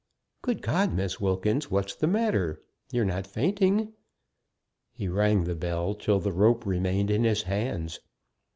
Good God, Miss Wilkins! What's the matter? You're not fainting!" He rang the bell till the rope remained in his hands.